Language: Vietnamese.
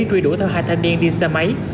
truy đuổi theo hai thanh niên đi xe máy